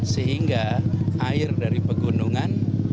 sehingga air dari pegunungan